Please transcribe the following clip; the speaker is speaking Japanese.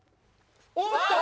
おっと！？